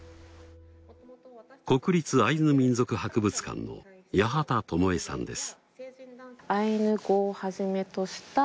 国立アイヌ民族博物館の八幡巴絵さんです。